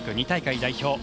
２大会代表